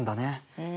うん。